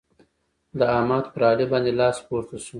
د احمد پر علي باندې لاس پورته شو.